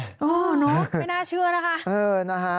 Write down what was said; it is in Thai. โอ้โฮนุ๊กไม่น่าเชื่อนะคะ